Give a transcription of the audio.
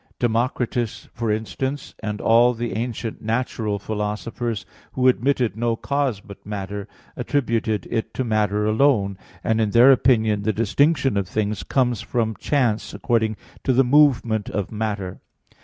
Democritus, for instance, and all the ancient natural philosophers, who admitted no cause but matter, attributed it to matter alone; and in their opinion the distinction of things comes from chance according to the movement of matter.